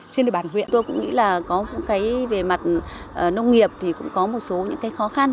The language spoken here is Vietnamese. tôi cũng nghĩ là có cái về mặt nông nghiệp thì cũng có một số những cái khó khăn